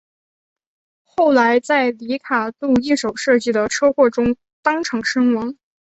后来在里卡度一手设计的车祸中当场身亡。